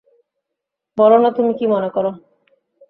বলো -না, তুমি কী মনে কর।